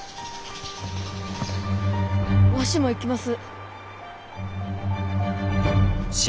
わしも行きます。